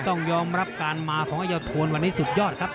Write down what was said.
ต้องยอมรับการมาของไอ้เจ้าโทนวันนี้สุดยอดครับ